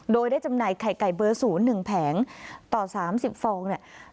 โดยได้จำหน่ายไข่ไก่เบอร์ศูนย์๑แผงต่อ๓๐ฟอง